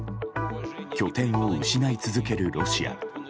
拠点を失い続けるロシア。